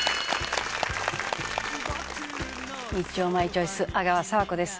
『日曜マイチョイス』阿川佐和子です。